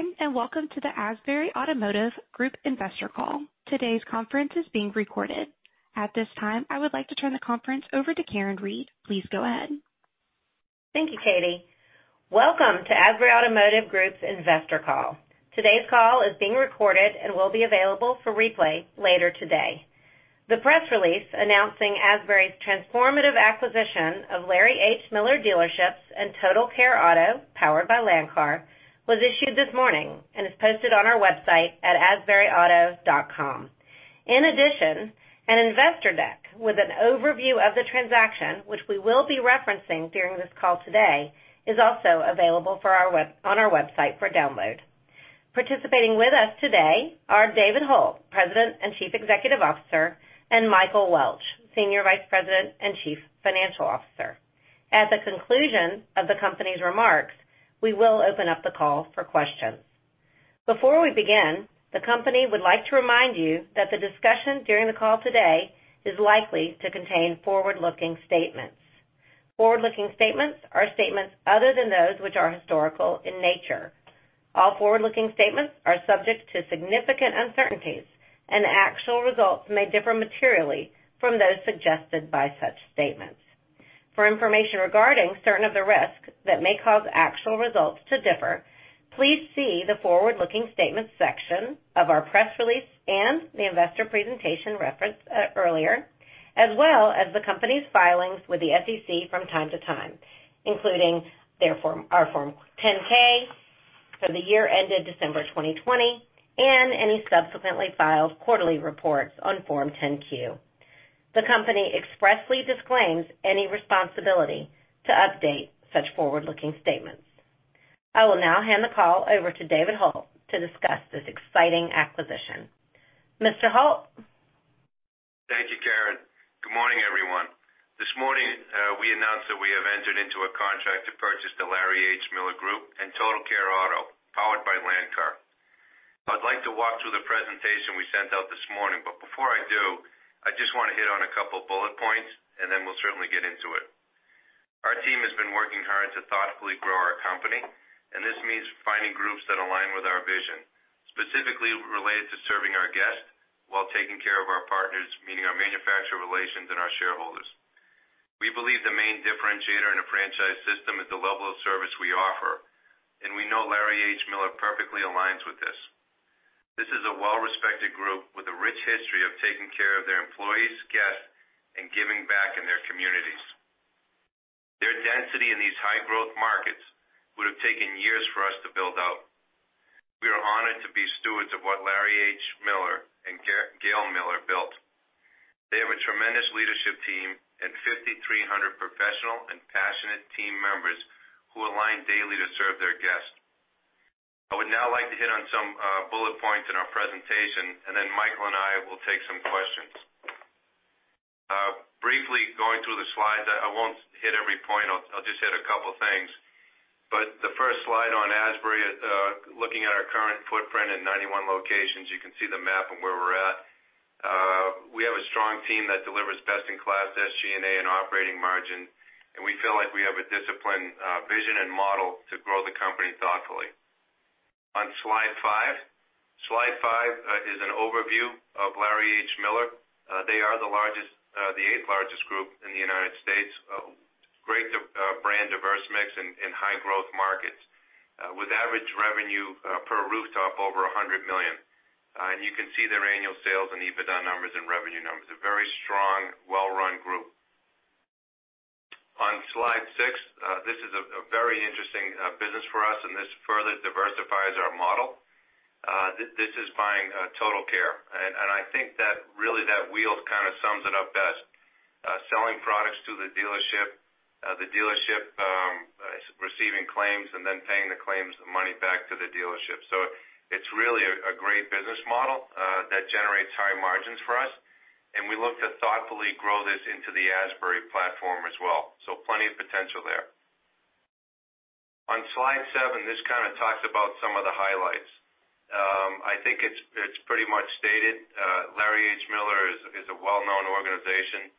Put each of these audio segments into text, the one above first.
Good day, welcome to the Asbury Automotive Group Investor Call. Today's conference is being recorded. At this time, I would like to turn the conference over to Chris Reeves. Please go ahead. Thank you, Katie. Welcome to Asbury Automotive Group's Investor Call. Today's call is being recorded and will be available for replay later today. The press release announcing Asbury's transformative acquisition of Larry H. Miller Dealerships and Total Care Auto, powered by Landcar, was issued this morning and is posted on our website at asburyauto.com. In addition, an investor deck with an overview of the transaction, which we will be referencing during this call today, is also available on our website for download. Participating with us today are David Hult, President and Chief Executive Officer, and Michael Welch, Senior Vice President and Chief Financial Officer. At the conclusion of the company's remarks, we will open up the call for questions. Before we begin, the company would like to remind you that the discussion during the call today is likely to contain forward-looking statements. Forward-looking statements are statements other than those which are historical in nature. All forward-looking statements are subject to significant uncertainties, and actual results may differ materially from those suggested by such statements. For information regarding certain of the risks that may cause actual results to differ, please see the forward-looking statements section of our press release and the investor presentation referenced earlier, as well as the company's filings with the SEC from time to time, including our Form 10-K for the year ended December 2020, and any subsequently filed quarterly reports on Form 10-Q. The company expressly disclaims any responsibility to update such forward-looking statements. I will now hand the call over to David Hult to discuss this exciting acquisition. Mr. Hult? Thank you, Chris Reeves. Good morning, everyone. This morning, we announced that we have entered into a contract to purchase the Larry H. Miller Group and Total Care Auto, powered by Landcar. I'd like to walk through the presentation we sent out this morning, but before I do, I just want to hit on a couple of bullet points, and then we'll certainly get into it. Our team has been working hard to thoughtfully grow our company, and this means finding groups that align with our vision, specifically related to serving our guests while taking care of our partners, meaning our manufacturer relations and our shareholders. We believe the main differentiator in a franchise system is the level of service we offer, and we know Larry H. Miller perfectly aligns with this. This is a well-respected group with a rich history of taking care of their employees, guests, and giving back in their communities. Their density in these high-growth markets would have taken years for us to build out. We are honored to be stewards of what Larry H. Miller and Gail Miller built. They have a tremendous leadership team and 5,300 professional and passionate team members who align daily to serve their guests. I would now like to hit on some bullet points in our presentation, and then Michael and I will take some questions. Briefly going through the slides, I won't hit every point. I'll just hit a couple of things. The first slide on Asbury, looking at our current footprint in 91 locations, you can see the map of where we're at. We have a strong team that delivers best-in-class SG&A and operating margin, and we feel like we have a disciplined vision and model to grow the company thoughtfully. On slide five. Slide five is an overview of Larry H. Miller. They are the eighth largest group in the U.S. Great brand diverse mix in high growth markets with average revenue per rooftop over $100 million. You can see their annual sales and EBITDA numbers and revenue numbers. A very strong, well-run group. On slide six, this is a very interesting business for us, and this further diversifies our model. This is buying Total Care, and I think that really that wheel kind of sums it up best. Selling products to the dealership, the dealership receiving claims, and then paying the claims money back to the dealership. It's really a great business model that generates high margins for us, and we look to thoughtfully grow this into the Asbury platform as well. Plenty of potential there. On slide seven, this kind of talks about some of the highlights. I think it's pretty much stated. Larry H. Miller is a well-known organization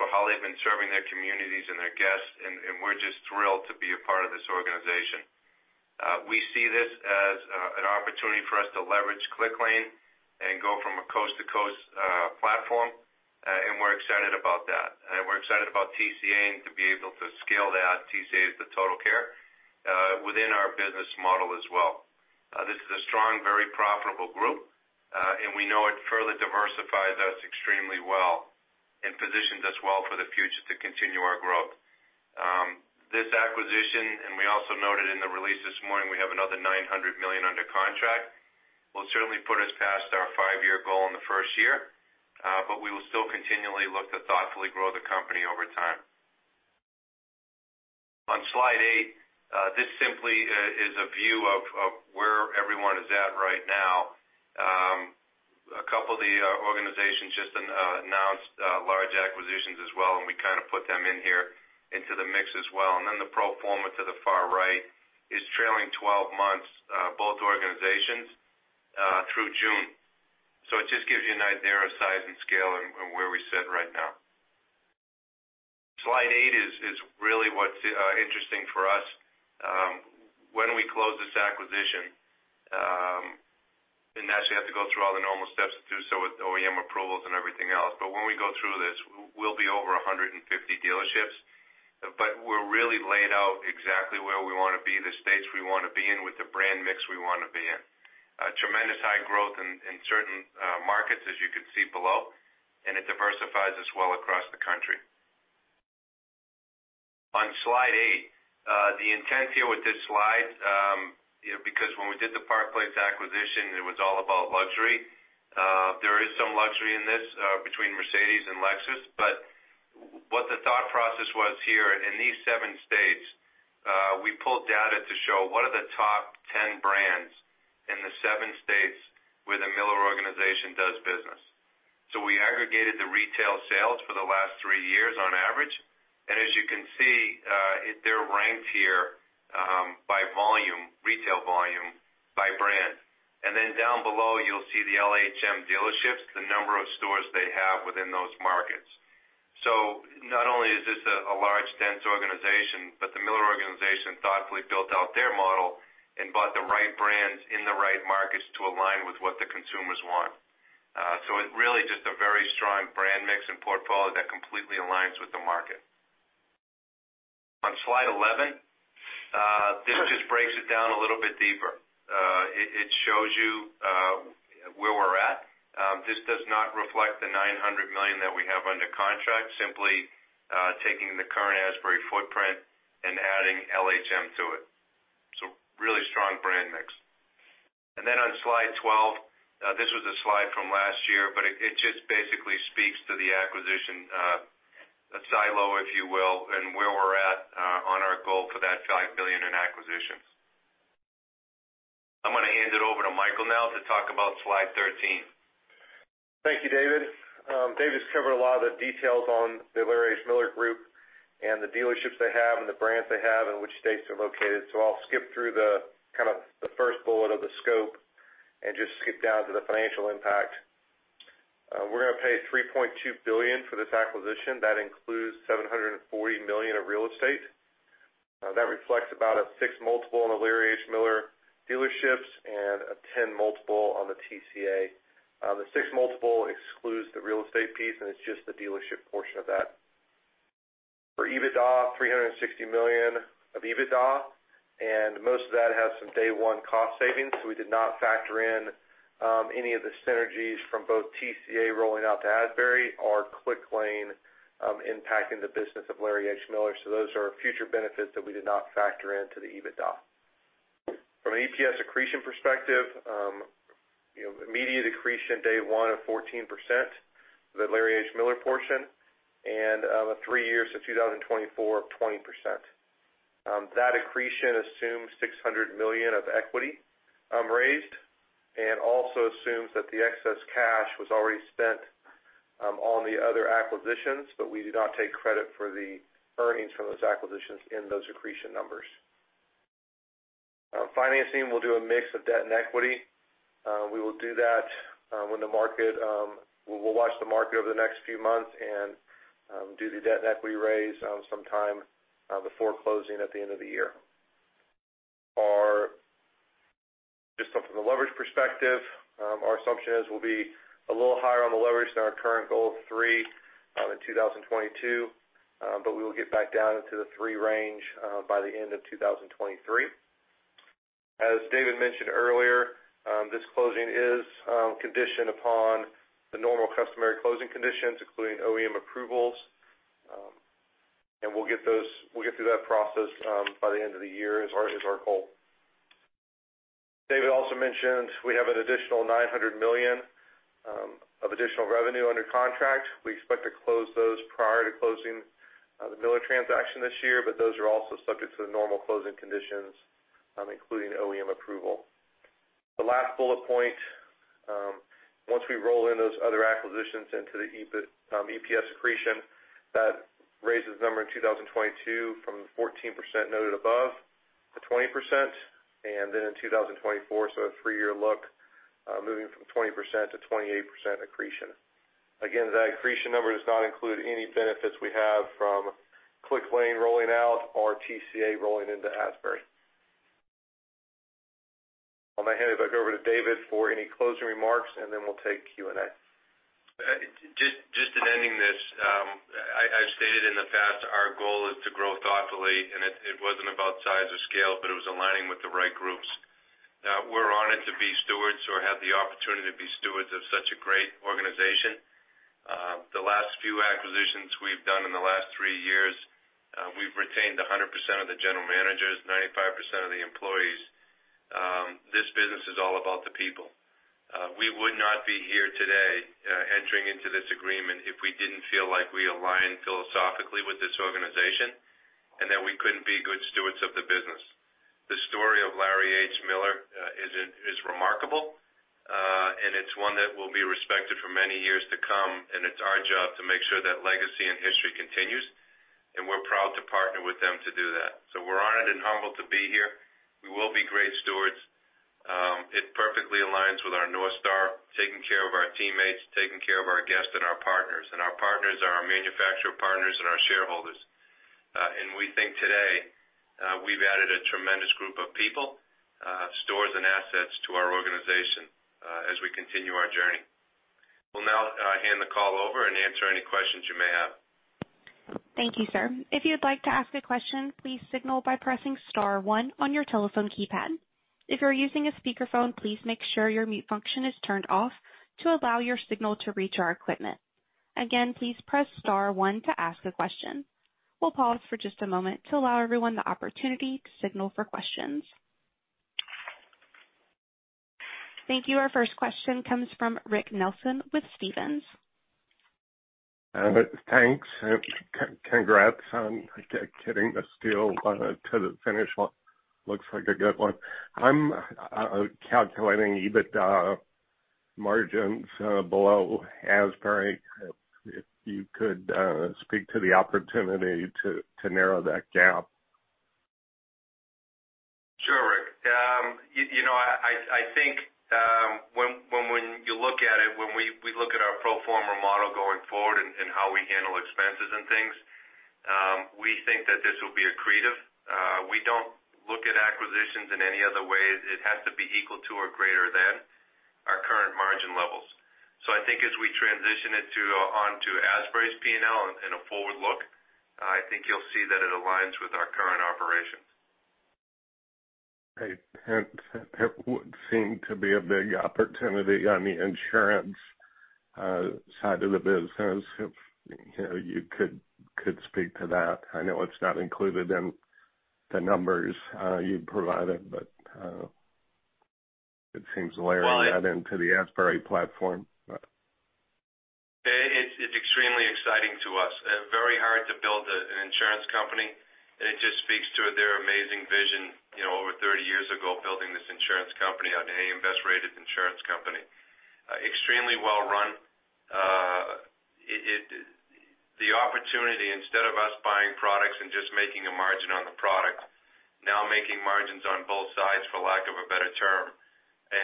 for how they've been serving their communities and their guests, and we're just thrilled to be a part of this organization. We see this as an opportunity for us to leverage Clicklane and go from a coast-to-coast platform, and we're excited about that. We're excited about TCA and to be able to scale that, TCA is the Total Care, within our business model as well. This is a strong, very profitable group, and we know it further diversifies us extremely well and positions us well for the future to continue our growth. This acquisition, and we also noted in the release this morning, we have another $900 million under contract, will certainly put us past our five-year goal in the first year. We will still continually look to thoughtfully grow the company over time. On Slide eight, this simply is a view of where everyone is at right now. A couple of the organizations just announced large acquisitions as well. We kind of put them in here into the mix as well. The pro forma to the far right is trailing 12 months, both organizations, through June. It just gives you an idea of size and scale and where we sit right now. Slide eight is really what's interesting for us. When we close this acquisition, and naturally have to go through all the normal steps to do so with OEM approvals and everything else. When we go through this, we'll be over 150 dealerships, but we're really laid out exactly where we want to be, the states we want to be in with the brand mix we want to be in. Tremendous high growth in certain markets, as you can see below, and it diversifies us well across the country. On slide eight, the intent here with this slide, because when we did the Park Place acquisition, it was all about luxury. There is some luxury in this between Mercedes and Lexus. What the thought process was here in these seven states, we pulled data to show what are the top 10 brands in the seven states where the Miller organization does business. We aggregated the retail sales for the last three years on average. As you can see, they're ranked here by retail volume, by brand. Down below, you'll see the LHM Dealerships, the number of stores they have within those markets. Not only is this a large, dense organization, but the Larry H. Miller organization thoughtfully built out their model and bought the right brands in the right markets to align with what the consumers want. It really just a very strong brand mix and portfolio that completely aligns with the market. On slide 11, this just breaks it down a little bit deeper. It shows you where we're at. This does not reflect the $900 million that we have under contract, simply taking the current Asbury footprint and adding LHM to it. Really strong brand mix. On slide 12, this was a slide from last year, but it just basically speaks to the acquisition silo, if you will, and where we're at on our goal for that $5 billion in acquisitions. I'm going to hand it over to Michael now to talk about slide 13. Thank you, David. David's covered a lot of the details on the Larry H. Miller Group and the Dealerships they have and the brands they have and which states they're located. I'll skip through the first bullet of the scope and just skip down to the financial impact. We're going to pay $3.2 billion for this acquisition. That includes $740 million of real estate. That reflects about a six multiple on the Larry H. Miller Dealerships and a 10 multiple on the TCA. The six multiple excludes the real estate piece, and it's just the dealership portion of that. For EBITDA, $360 million of EBITDA, and most of that has some day one cost savings. We did not factor in any of the synergies from both TCA rolling out to Asbury or Clicklane impacting the business of Larry H. Miller. Those are future benefits that we did not factor into the EBITDA. From an EPS accretion perspective, immediate accretion day one of 14%, the Larry H. Miller portion, and three years to 2024, 20%. That accretion assumes $600 million of equity raised and also assumes that the excess cash was already spent on the other acquisitions, but we do not take credit for the earnings from those acquisitions in those accretion numbers. Financing, we'll do a mix of debt and equity. We will do that, we'll watch the market over the next few months and do the debt and equity raise sometime before closing at the end of the year. Just from the leverage perspective, our assumption is we'll be a little higher on the leverage than our current goal of three in 2022, but we will get back down into the three range by the end of 2023. As David mentioned earlier, this closing is conditioned upon the normal customary closing conditions, including OEM approvals. We'll get through that process by the end of the year is our goal. David also mentioned we have an additional $900 million of additional revenue under contract. We expect to close those prior to closing the Miller transaction this year, but those are also subject to the normal closing conditions, including OEM approval. The last bullet point, once we roll in those other acquisitions into the EPS accretion, that raises the number in 2022 from 14% noted above to 20%, and then in 2024, so a three-year look, moving from 20% -28% accretion. Again, that accretion number does not include any benefits we have from Clicklane rolling out or TCA rolling into Asbury. I'm going to hand it back over to David for any closing remarks, and then we'll take Q&A. Just in ending this, I've stated in the past our goal is to grow thoughtfully. It wasn't about size or scale, but it was aligning with the right groups. We're honored to be stewards or have the opportunity to be stewards of such a great organization. The last few acquisitions we've done in the last three years, we've retained 100% of the general managers, 95% of the employees. This business is all about the people. We would not be here today entering into this agreement if we didn't feel like we align philosophically with this organization and that we couldn't be good stewards of the business. The story of Larry H. Miller is remarkable. It's one that will be respected for many years to come. It's our job to make sure that legacy and history continues. We're proud to partner with them to do that. We're honored and humbled to be here. It perfectly aligns with our North Star, taking care of our teammates, taking care of our guests and our partners. Our partners are our manufacturer partners and our shareholders. We think today we've added a tremendous group of people, stores, and assets to our organization as we continue our journey. We'll now hand the call over and answer any questions you may have. Thank you, sir. If you'd like to ask a question, please signal by pressing star one on your telephone keypad. If you're using a speakerphone, please make sure your mute function is turned off to allow your signal to reach our equipment. Again, please press star one to ask a question. We'll pause for just a moment to allow everyone the opportunity to signal for questions. Thank you. Our first question comes from Rick Nelson with Stephens. Thanks. Congrats on getting this deal to the finish line. Looks like a good one. I'm calculating EBITDA margins below Asbury. If you could speak to the opportunity to narrow that gap. Sure, Rick. I think when you look at it, when we look at our pro forma model going forward and how we handle expenses and things, we think that this will be accretive. We don't look at acquisitions in any other way. It has to be equal to or greater than our current margin levels. I think as we transition it onto Asbury's P&L in a forward look, I think you'll see that it aligns with our current operations. Great. It would seem to be a big opportunity on the insurance side of the business, if you could speak to that. I know it's not included in the numbers you provided, but it seems layering that into the Asbury platform. It's extremely exciting to us. Very hard to build an insurance company. It just speaks to their amazing vision, over 30 years ago, building this insurance company out, an A.M. Best rated insurance company. Extremely well run. The opportunity, instead of us buying products and just making a margin on the product, now making margins on both sides, for lack of a better term,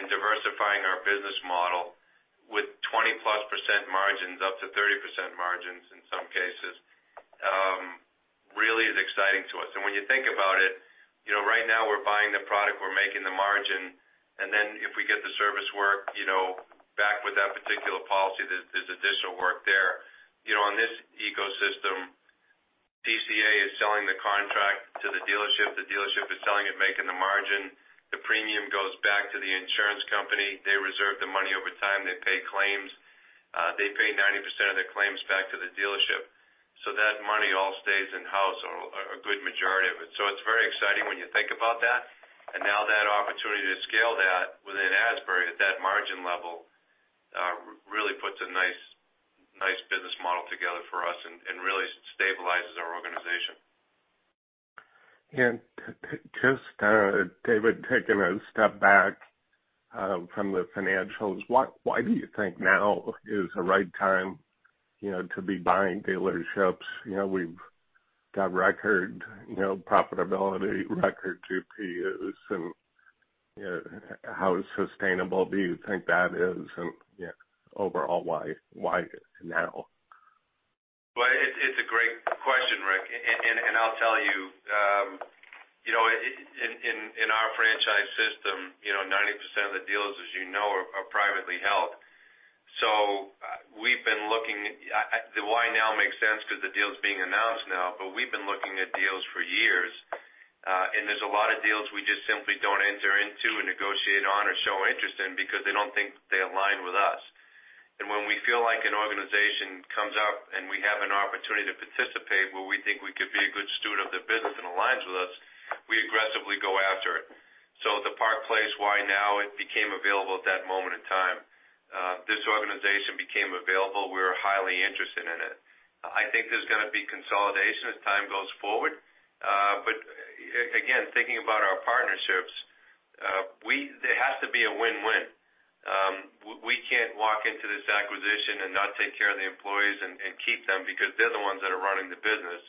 diversifying our business model with 20+% margins, up to 30% margins in some cases, really is exciting to us. When you think about it, right now we're buying the product, we're making the margin, and then if we get the service work back with that particular policy, there's additional work there. In this ecosystem, TCA is selling the contract to the dealership. The dealership is selling it, making the margin. The premium goes back to the insurance company. They reserve the money over time. They pay claims. They pay 90% of their claims back to the dealership. That money all stays in-house, or a good majority of it. It's very exciting when you think about that. Now that opportunity to scale that within Asbury at that margin level really puts a nice business model together for us and really stabilizes our organization. Just, David, taking a step back from the financials, why do you think now is the right time to be buying dealerships? We've got record profitability, record GPUs, how sustainable do you think that is? Overall, why now? It's a great question, Rick Nelson, and I'll tell you. In our franchise system, 90% of the dealers, as you know, are privately held. The why now makes sense because the deal's being announced now, but we've been looking at deals for years. There's a lot of deals we just simply don't enter into or negotiate on or show interest in because they don't think they align with us. When we feel like an organization comes up and we have an opportunity to participate where we think we could be a good steward of their business and aligns with us, we aggressively go after it. The Park Place, why now? It became available at that one moment in time. This organization became available. We were highly interested in it. I think there's going to be consolidation as time goes forward. Again, thinking about our partnerships, they have to be a win-win. We can't walk into this acquisition and not take care of the employees and keep them because they're the ones that are running the business.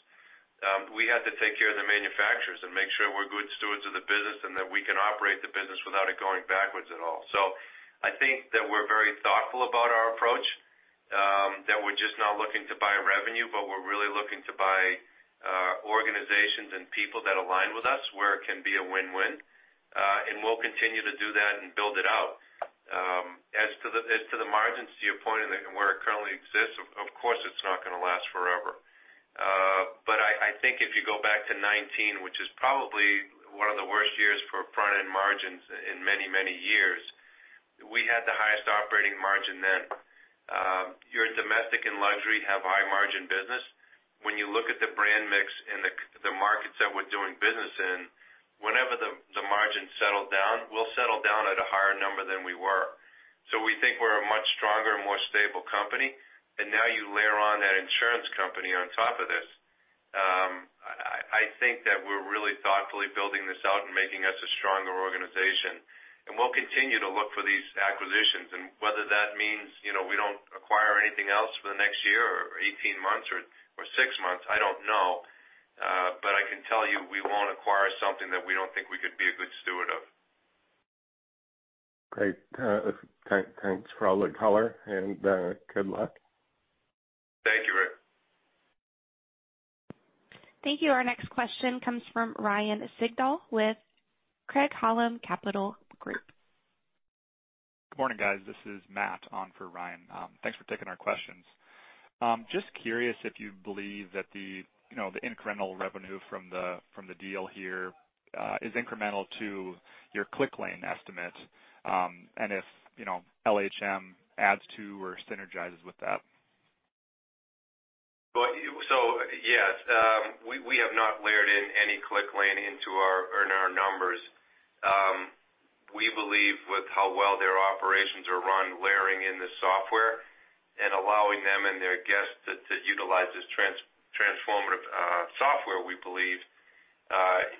We have to take care of the manufacturers and make sure we're good stewards of the business and that we can operate the business without it going backwards at all. I think that we're very thoughtful about our approach, that we're just not looking to buy revenue, but we're really looking to buy organizations and people that align with us where it can be a win-win. We'll continue to do that and build it out. As to the margins, to your point, and where it currently exists, of course, it's not going to last forever. I think if you go back to 2019, which is probably one of the worst years for front-end margins in many, many years, we had the highest operating margin then. Your domestic and luxury have high-margin business. When you look at the brand mix and the markets that we're doing business in, whenever the margins settle down, we'll settle down at a higher number than we were. We think we're a much stronger, more stable company, and now you layer on that insurance company on top of this. I think that we're really thoughtfully building this out and making us a stronger organization. We'll continue to look for these acquisitions, and whether that means we don't acquire anything else for the next year or 18 months or 6 months, I don't know. I can tell you, we won't acquire something that we don't think we could be a good steward of. Great. Thanks for all the color, and good luck. Thank you, Rick. Thank you. Our next question comes from Ryan Sigdahl with Craig-Hallum Capital Group. Good morning, guys. This is Matt on for Ryan. Thanks for taking our questions. Just curious if you believe that the incremental revenue from the deal here is incremental to your Clicklane estimate, and if LHM adds to or synergizes with that. Yes. We have not layered in any ClickLane into our numbers. We believe with how well their operations are run, layering in the software and allowing them and their guests to utilize this transformative software, we believe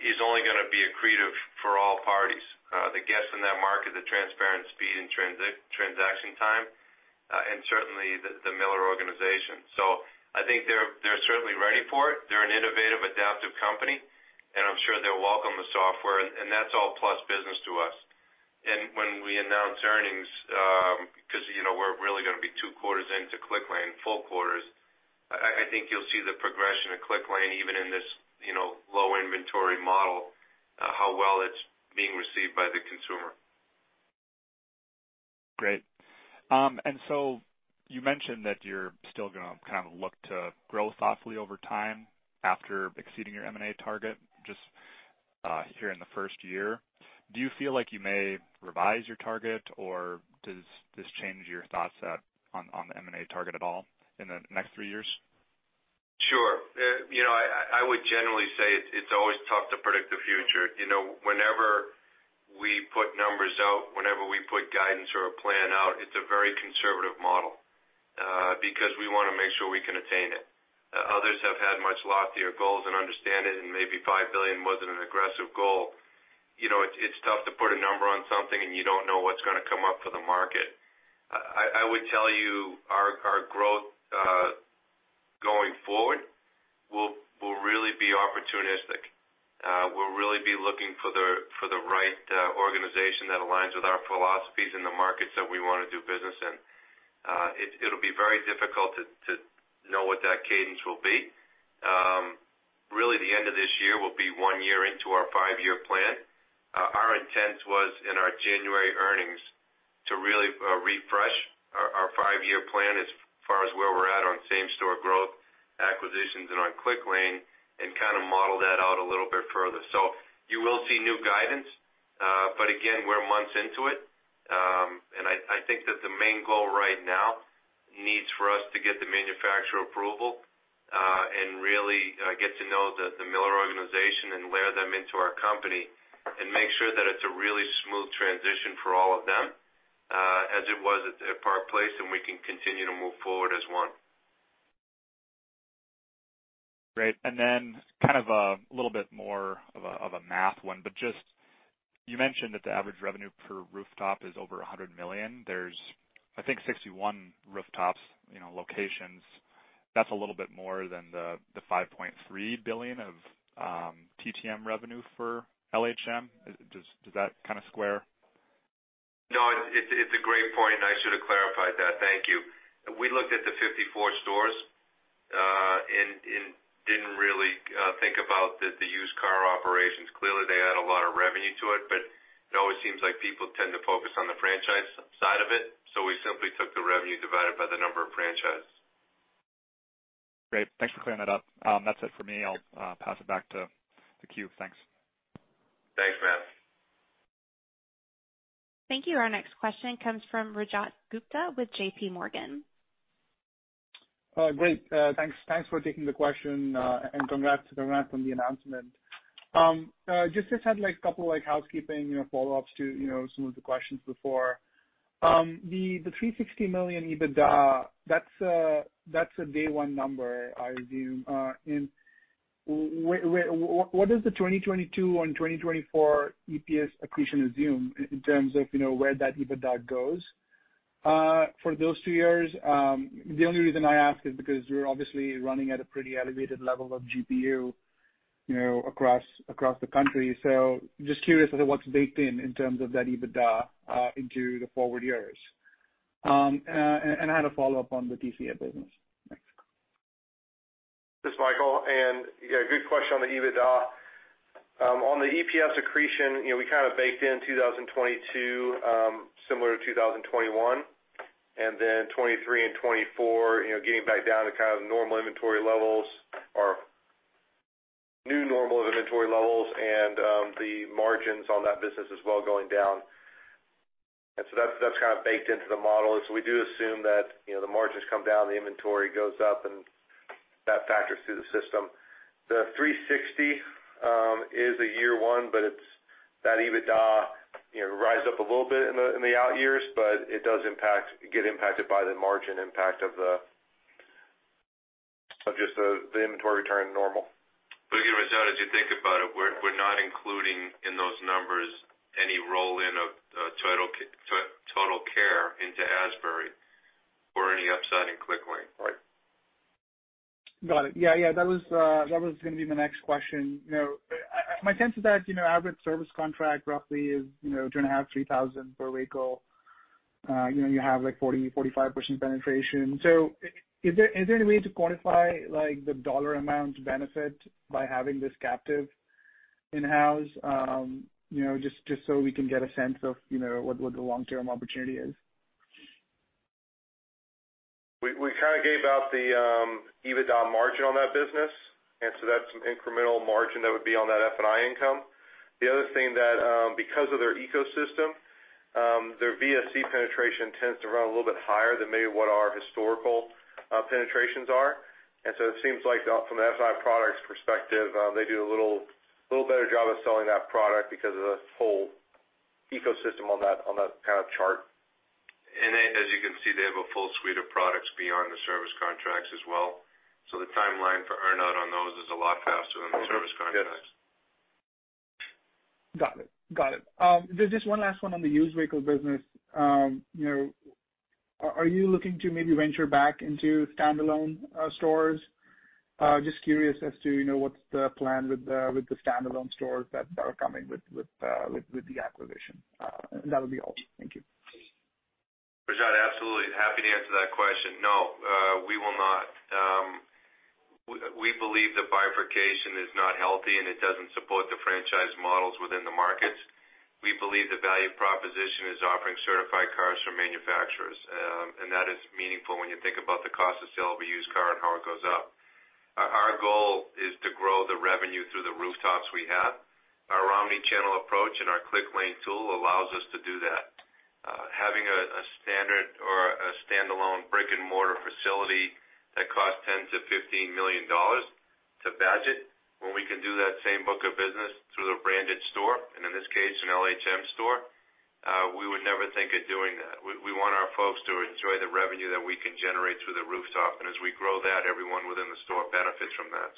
is only going to be accretive for all parties. The guests in that market, the transparent speed and transaction time, and certainly the Miller organization. I think they're certainly ready for it. They're an innovative, adaptive company, and I'm sure they'll welcome the software, and that's all plus business to us. When we announce earnings, because we're really going to be Q2 into ClickLane, full quarters, I think you'll see the progression of ClickLane even in this low inventory model, how well it's being received by the consumer. Great. You mentioned that you're still going to kind of look to grow thoughtfully over time after exceeding your M&A target just here in the first year. Do you feel like you may revise your target, or does this change your thought set on the M&A target at all in the next three years? Sure. I would generally say it's always tough to predict the future. Whenever we put numbers out, whenever we put guidance or a plan out, it's a very conservative model, because we want to make sure we can attain it. Others have had much loftier goals and understand it, and maybe $5 billion wasn't an aggressive goal. It's tough to put a number on something, and you don't know what's going to come up for the market. I would tell you our growth going forward will really be opportunistic. We'll really be looking for the right organization that aligns with our philosophies in the markets that we want to do business in. It'll be very difficult to know what that cadence will be. Really, the end of this year will be one year into our five year plan. Our intent was in our January earnings to really refresh our five year plan as far as where we're at on same store growth acquisitions and on Clicklane and kind of model that out a little bit further. You will see new guidance, but again, we're months into it. I think that the main goal right now needs for us to get the manufacturer approval, and really get to know the Miller organization and layer them into our company and make sure that it's a really smooth transition for all of them, as it was at Park Place, and we can continue to move forward as one. Great. kind of a little bit more of a math one, but just, you mentioned that the average revenue per rooftop is over $100 million. There's, I think, 61 rooftops, locations. That's a little bit more than the $5.3 billion of TTM revenue for LHM. Does that kind of square? No, it's a great point, and I should have clarified that. Thank you. We looked at the 54 stores, and didn't really think about the used car operations. Clearly, they add a lot of revenue to it, but it always seems like people tend to focus on the franchise side of it. We simply took the revenue divided by the number of franchises. Great. Thanks for clearing that up. That's it for me. I'll pass it back to the queue. Thanks. Thanks, Matt. Thank you. Our next question comes from Rajat Gupta with JPMorgan. Great. Thanks for taking the question, and congrats on the announcement. Just had a couple housekeeping follow-ups to some of the questions before. The $360 million EBITDA, that's a day one number, I assume. What does the 2022 and 2024 EPS accretion assume in terms of where that EBITDA goes for those two years? The only reason I ask is because you're obviously running at a pretty elevated level of GPU across the country. Just curious as to what's baked in terms of that EBITDA into the forward years. I had a follow-up on the TCA business. Thanks. This is Michael, yeah, good question on the EBITDA. On the EPS accretion, we kind of baked in 2022, similar to 2021, and then 2023 and 2024, getting back down to kind of normal inventory levels or new normal inventory levels and the margins on that business as well going down. That's kind of baked into the model. We do assume that the margins come down, the inventory goes up, and that factors through the system. The 360 is a year one, but that EBITDA rise up a little bit in the out years, but it does get impacted by the margin impact of just the inventory return to normal. Again, Rajat, as you think about it, we're not including in those numbers any roll-in of Total Care Auto into Asbury, I'm saying Clicklane. Right. Got it. Yeah, that was going to be the next question. My sense is that average service contract roughly is two and a half, $3,000 per vehicle. You have 40%-45% penetration. Is there any way to quantify the dollar amount benefit by having this captive in-house? Just so we can get a sense of what the long-term opportunity is. We kind of gave out the EBITDA margin on that business, that's some incremental margin that would be on that F&I income. The other thing that because of their ecosystem, their VSC penetration tends to run a little bit higher than maybe what our historical penetrations are. It seems like from the F&I products perspective, they do a little better job of selling that product because of the whole ecosystem on that kind of chart. As you can see, they have a full suite of products beyond the service contracts as well. The timeline for earn-out on those is a lot faster than the service contracts. Got it. There's just one last one on the used vehicle business. Are you looking to maybe venture back into standalone stores? Just curious as to what's the plan with the standalone stores that are coming with the acquisition? That would be all. Thank you. Rajat, absolutely. Happy to answer that question. No, we will not. We believe the bifurcation is not healthy, and it doesn't support the franchise models within the markets. We believe the value proposition is offering certified cars from manufacturers, and that is meaningful when you think about the cost of sale of a used car and how it goes up. Our goal is to grow the revenue through the rooftops we have. Our omni-channel approach and our Clicklane tool allows us to do that. Having a standard or a standalone brick-and-mortar facility that costs $10 million-$15 million to badge it when we can do that same book of business through the branded store, and in this case, an LHM store, we would never think of doing that. We want our folks to enjoy the revenue that we can generate through the rooftop. As we grow that, everyone within the store benefits from that.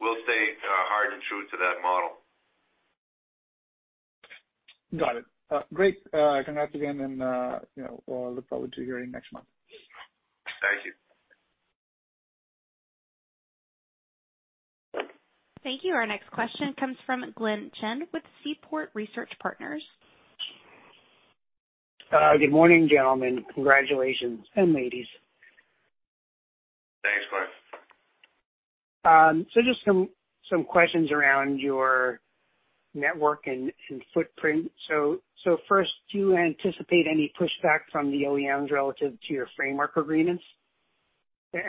We'll stay hard and true to that model. Got it. Great. Congrats again, and I look forward to hearing next month. Thank you. Thank you. Our next question comes from Glenn Chin with Seaport Research Partners. Good morning, gentlemen, ladies. Congratulations. Thanks, Glenn. Just some questions around your network and footprint. First, do you anticipate any pushback from the OEMs relative to your framework agreements? Do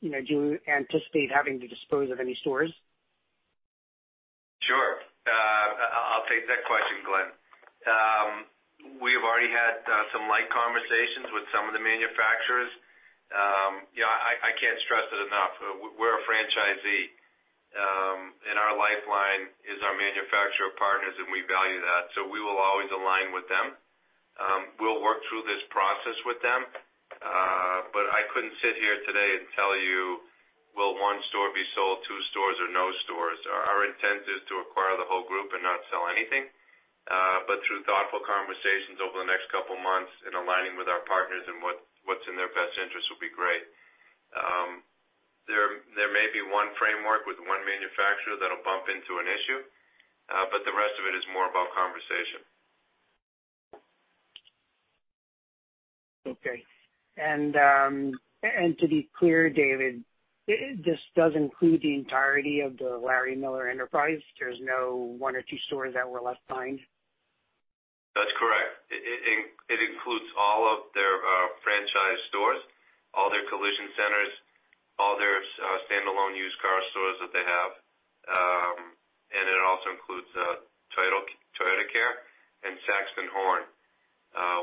you anticipate having to dispose of any stores? Sure. I'll take that question, Glenn. We have already had some light conversations with some of the manufacturers. I can't stress it enough. We're a franchisee, and our lifeline is our manufacturer partners, and we value that. We will always align with them. We'll work through this process with them. I couldn't sit here today and tell you, will one store be sold, two stores or no stores? Our intent is to acquire the whole group and not sell anything. Through thoughtful conversations over the next two months and aligning with our partners and what's in their best interest would be great. There may be one framework with one manufacturer that'll bump into an issue, but the rest of it is more about conversation. Okay. To be clear, David, this does include the entirety of the Larry H. Miller enterprise. There's no one or two stores that were left behind? That's correct. It includes all of their franchise stores, all their collision centers, all their standalone used car stores that they have. It also includes Total Care and Saxton Horne,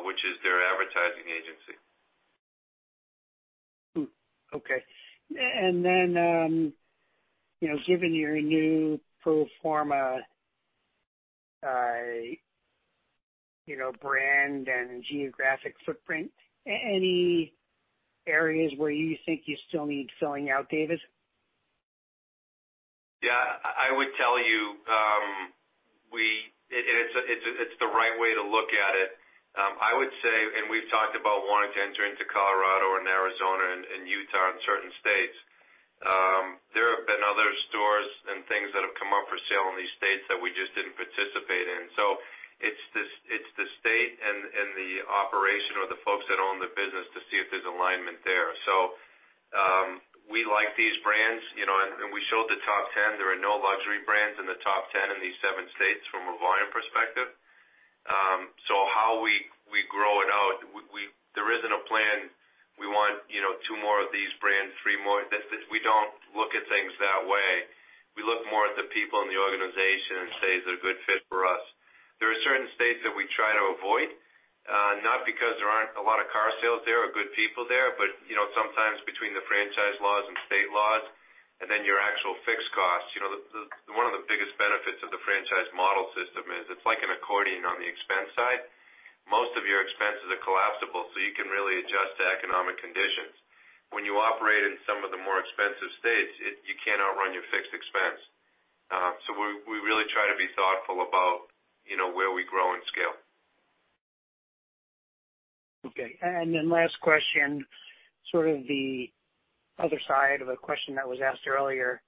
which is their advertising agency. Okay. Given your new pro forma brand and geographic footprint, any areas where you think you still need filling out, David? Yeah. I would tell you it's the right way to look at it. I would say, we've talked about wanting to enter into Colorado and Arizona and Utah and certain states. There have been other stores and things that have come up for sale in these states that we just didn't participate in. It's the state and the operation or the folks that own the business to see if there's alignment there. We like these brands, and we showed the top 10. There are no luxury brands in the top 10 in these seven states from a volume perspective. How we grow it out, there isn't a plan. We want two more of these brands, three more. We don't look at things that way. We look more at the people in the organization and say, is it a good fit for us? There are certain states that we try to avoid, not because there aren't a lot of car sales there or good people there, but sometimes between the franchise laws and state laws, and then your actual fixed costs. one of the biggest benefits of the franchise model system is it's like an accordion on the expense side. Most of your expenses are collapsible, you can really adjust to economic conditions. When you operate in some of the more expensive states, you cannot run your fixed expense. We really try to be thoughtful about where we grow and scale. Okay. Then last question, sort of the other side of a question that was asked earlier.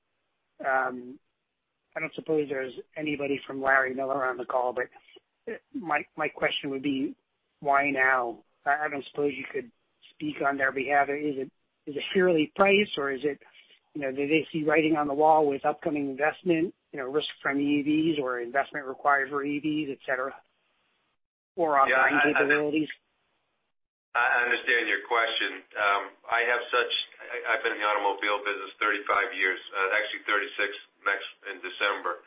I don't suppose there's anybody from Larry H. Miller on the call, but my question would be, why now? I don't suppose you could speak on their behalf. Is it fairly priced or do they see writing on the wall with upcoming investment, risk from EVs or investment required for EVs, et cetera, or operating capabilities? I understand your question. I've been in the automobile business 35 years, actually 36 in December.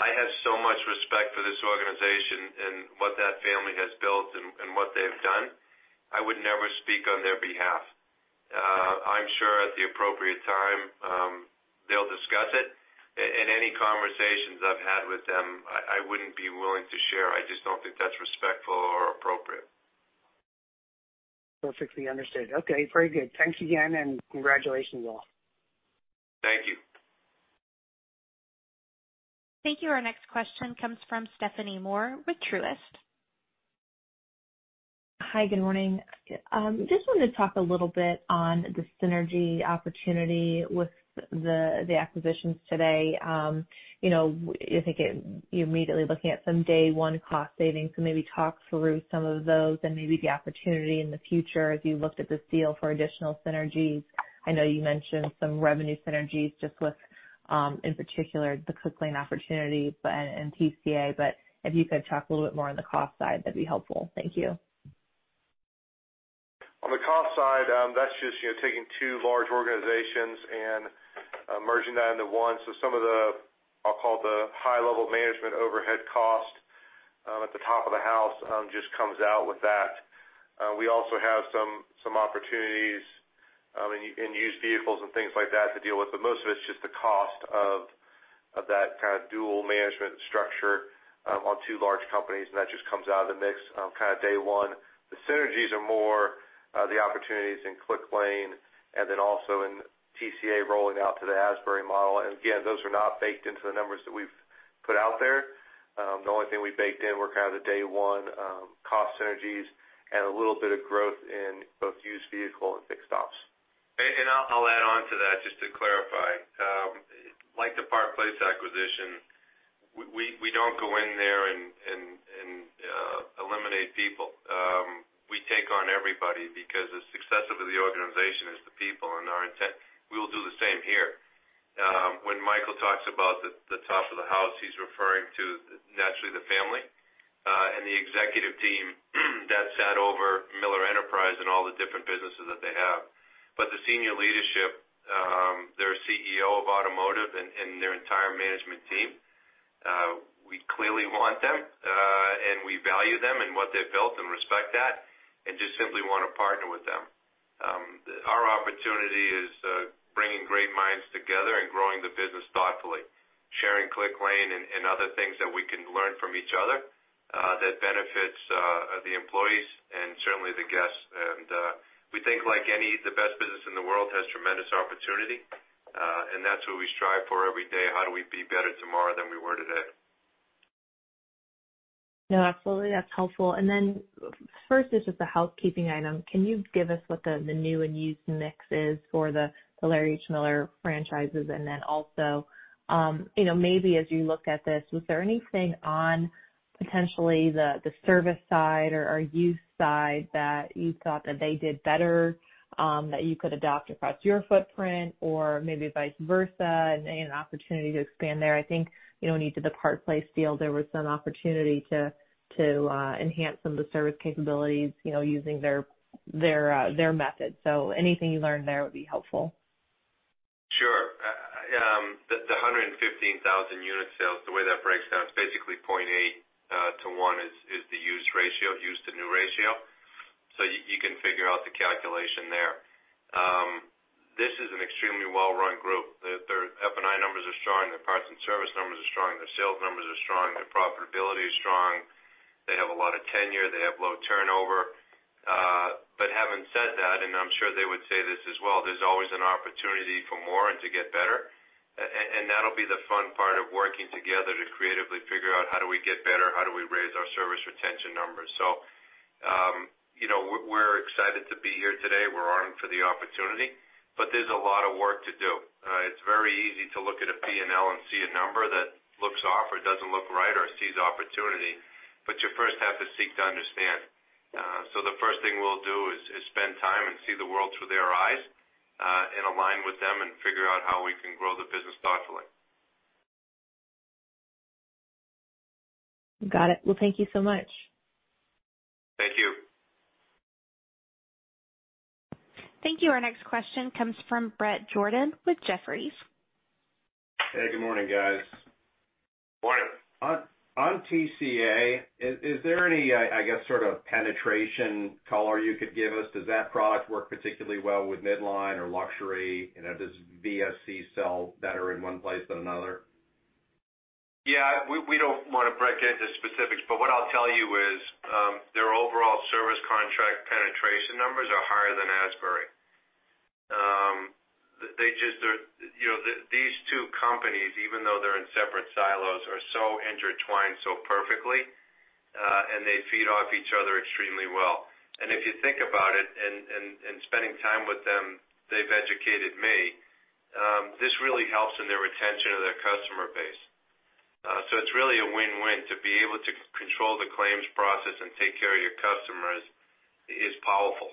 I have so much respect for this organization and what that family has built and what they've done. I would never speak on their behalf. I'm sure at the appropriate time, they'll discuss it. In any conversations I've had with them, I wouldn't be willing to share. I just don't think that's respectful or appropriate. Perfectly understood. Okay, very good. Thanks again and congratulations, all. Thank you. Thank you. Our next question comes from Stephanie Moore with Truist. Hi, good morning. Just wanted to talk a little bit on the synergy opportunity with the acquisitions today. I think you're immediately looking at some day one cost savings. Maybe talk through some of those and maybe the opportunity in the future as you looked at this deal for additional synergies. I know you mentioned some revenue synergies just with, in particular, the Click lane opportunity and TCA. If you could talk a little bit more on the cost side, that'd be helpful. Thank you. On the cost side, that's just taking two large organizations and merging that into one. Some of the, I'll call the high level management overhead cost at the top of the house just comes out with that. We also have some opportunities in used vehicles and things like that to deal with, but most of it's just the cost of that kind of dual management structure on two large companies, and that just comes out of the mix kind of day one. The synergies are more the opportunities in Click lane, and then also in TCA rolling out to the Asbury model. Again, those are not baked into the numbers that we've put out there. The only thing we baked in were kind of the day one cost synergies and a little bit of growth in both used vehicle and fixed ops. I'll add on to that just to clarify. Like the Park Place acquisition, we don't go in there and eliminate people. We take on everybody because the success of the organization is the people, and our intent, we will do the same here. When Michael talks about the top of the house, he's referring to naturally the family, and the executive team that sat over Miller Enterprise and all the different businesses that they have. The senior leadership, their CEO of automotive and their entire management team, we clearly want them, and we value them and what they've built and respect that and just simply want to partner with them. Our opportunity is bringing great minds together and growing the business thoughtfully, sharing Clicklane and other things that we can learn from each other that benefits the employees and certainly the guests. We think like any, the best business in the world has tremendous opportunity, and that's what we strive for every day. How do we be better tomorrow than we were today? No, absolutely. That's helpful. First is just a housekeeping item. Can you give us what the new and used mix is for the Larry H. Miller franchises? Also, maybe as you looked at this, was there anything on potentially the service side or used side that you thought that they did better that you could adopt across your footprint or maybe vice versa and an opportunity to expand there? I think under the Park Place deal, there was some opportunity to enhance some of the service capabilities using their method. Anything you learned there would be helpful. Sure. The 115,000 unit sales, the way that breaks down is basically 0.8 - 1 is the used ratio, used to new ratio. You can figure out the calculation there. This is an extremely well-run group. Their F&I numbers are strong, their parts and service numbers are strong, their sales numbers are strong, their profitability is strong. Having said that, and I'm sure they would say this as well, there's always an opportunity for more and to get better. That'll be the fun part of working together to creatively figure out how do we get better? How do we raise our service retention numbers? We're excited to be here today. We're arming for the opportunity, but there's a lot of work to do. It's very easy to look at a P&L and see a number that looks off or doesn't look right or sees opportunity. You first have to seek to understand. The first thing we'll do is spend time and see the world through their eyes, and align with them and figure out how we can grow the business thoughtfully. Got it. Well, thank you so much. Thank you. Thank you. Our next question comes from Bret Jordan with Jefferies. Hey, good morning, guys. Morning. On TCA, is there any, I guess sort of penetration color you could give us? Does that product work particularly well with midline or luxury? Does VSC sell better in one place than another? Yeah. We don't want to break into specifics, but what I'll tell you is their overall service contract penetration numbers are higher than Asbury. These two companies, even though they're in separate silos, are so intertwined so perfectly, and they feed off each other extremely well. If you think about it, and spending time with them, they've educated me. This really helps in their retention of their customer base. It's really a win-win to be able to control the claims process and take care of your customers is powerful,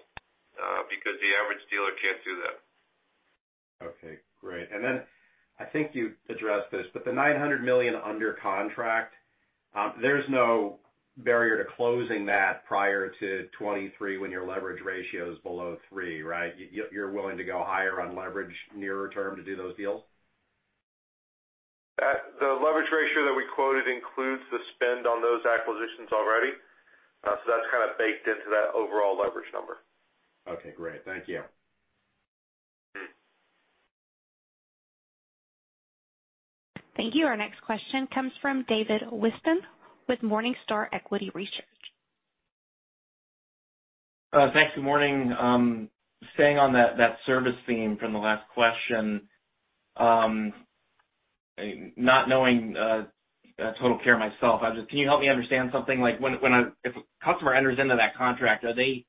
because the average dealer can't do that. Okay, great. I think you addressed this, but the $900 million under contract, there's no barrier to closing that prior to 2023 when your leverage ratio is below three, right? You're willing to go higher on leverage nearer term to do those deals? The leverage ratio that we quoted includes the spend on those acquisitions already. That's kind of baked into that overall leverage number. Okay, great. Thank you. Thank you. Our next question comes from David Whiston with Morningstar Equity Research. Thanks. Good morning. Staying on that service theme from the last question, not knowing Total Care myself, can you help me understand something like if a customer enters into that contract, are they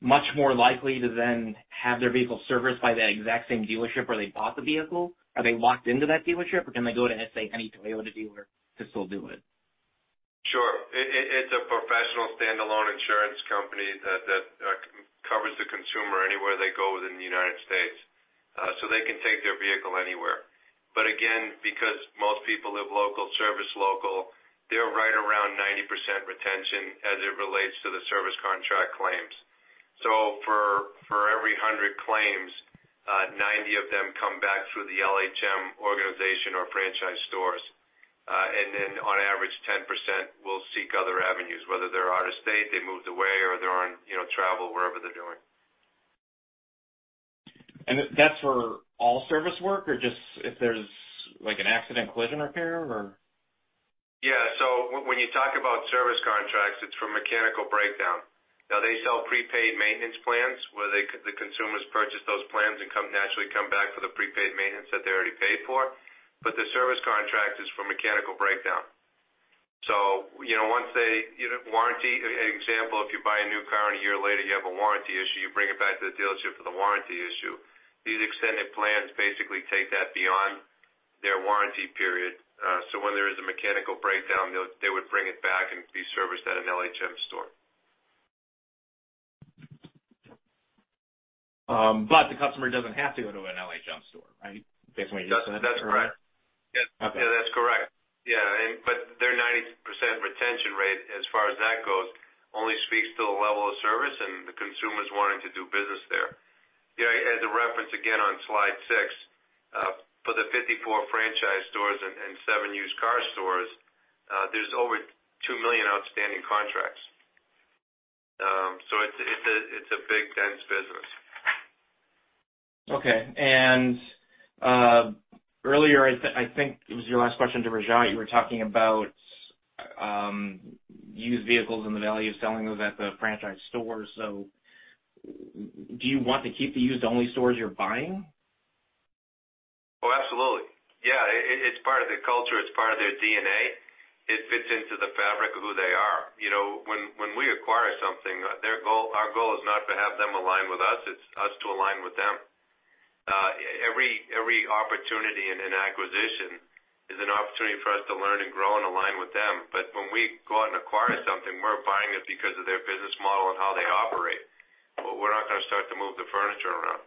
much more likely to then have their vehicle serviced by that exact same dealership where they bought the vehicle? Are they locked into that dealership, or can they go to, let's say, any Toyota dealer to still do it? Sure. It's a professional standalone insurance company that covers the consumer anywhere they go within the U.S. They can take their vehicle anywhere. Again, because most people live local, service local, they're right around 90% retention as it relates to the service contract claims. For every 100 claims, 90 of them come back through the LHM organization or franchise stores. On average, 10% will seek other avenues, whether they're out of state, they moved away or they're on travel, wherever they're doing. That's for all service work, or just if there's an accident collision repair or? Yeah. When you talk about service contracts, it's for mechanical breakdown. Now they sell prepaid maintenance plans where the consumers purchase those plans and naturally come back for the prepaid maintenance that they already paid for. The service contract is for mechanical breakdown. Example, if you buy a new car and a year later you have a warranty issue, you bring it back to the dealership for the warranty issue. These extended plans basically take that beyond their warranty period. When there is a mechanical breakdown, they would bring it back and be serviced at an LHM store. The customer doesn't have to go to an LHM store, right? That's correct. Yeah. Okay. Yeah, that's correct. Yeah. Their 90% retention rate, as far as that goes, only speaks to the level of service and the consumers wanting to do business there. As a reference again on slide six, for the 54 franchise stores and seven used car stores, there's over 2 million outstanding contracts. It's a big dense business. Okay. Earlier, I think it was your last question to Rajat, you were talking about used vehicles and the value of selling those at the franchise stores. Do you want to keep the used only stores you're buying? Oh, absolutely. Yeah. It's part of their culture. It's part of their DNA. It fits into the fabric of who they are. When we acquire something, our goal is not to have them align with us. It's us to align with them. Every opportunity in an acquisition is an opportunity for us to learn and grow and align with them. When we go out and acquire something, we're buying it because of their business model and how they operate. We're not going to start to move the furniture around.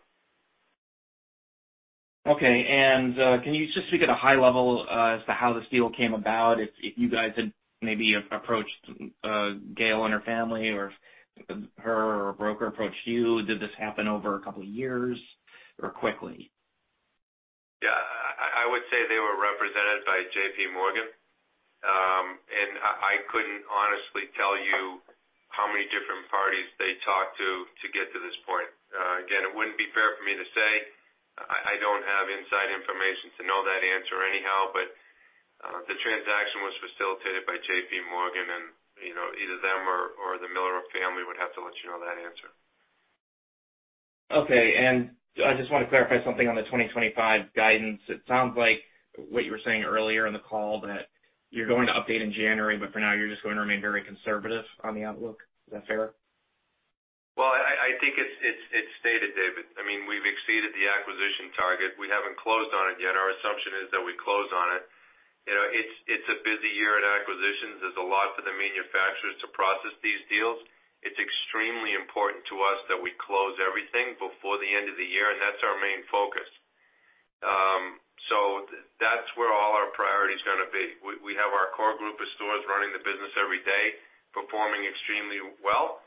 Okay. Can you just speak at a high level as to how this deal came about? If you guys had maybe approached Gail and her family, or her or a broker approached you? Did this happen over a couple of years or quickly? Yeah. I would say they were represented by J.P. Morgan. I couldn't honestly tell you how many different parties they talked to get to this point. Again, it wouldn't be fair for me to say. I don't have inside information to know that answer anyhow, but the transaction was facilitated by J.P. Morgan, and either them or the Miller family would have to let you know that answer. Okay. I just want to clarify something on the 2025 guidance. It sounds like what you were saying earlier in the call that you're going to update in January, but for now, you're just going to remain very conservative on the outlook. Is that fair? I think it's stated, David. We've exceeded the acquisition target. We haven't closed on it yet. Our assumption is that we close on it. It's a busy year at acquisitions. There's a lot for the manufacturers to process these deals. It's extremely important to us that we close everything before the end of the year, and that's our main focus. That's where all our priority is going to be. We have our core group of stores running the business every day, performing extremely well,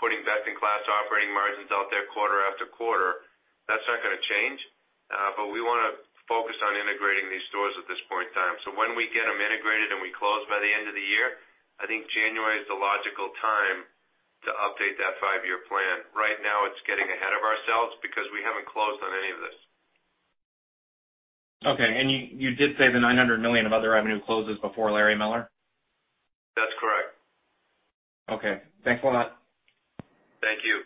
putting best in class operating margins out there quarter after quarter. That's not going to change. We want to focus on integrating these stores at this point in time. When we get them integrated and we close by the end of the year, I think January is the logical time to update that five year plan. Right now it's getting ahead of ourselves because we haven't closed on any of this. Okay. You did say the $900 million of other revenue closes before Larry Miller? That's correct. Okay. Thanks a lot. Thank you.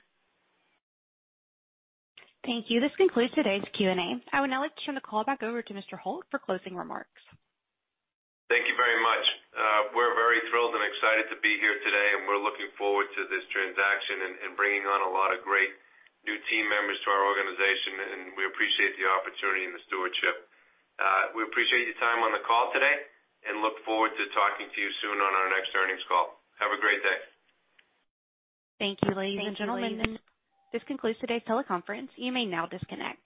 Thank you. This concludes today's Q&A. I would now like to turn the call back over to Mr. Hult for closing remarks. Thank you very much. We're very thrilled and excited to be here today. We're looking forward to this transaction and bringing on a lot of great new team members to our organization. We appreciate the opportunity and the stewardship. We appreciate your time on the call today and look forward to talking to you soon on our next earnings call. Have a great day. Thank you, ladies and gentlemen. This concludes today's teleconference. You may now disconnect.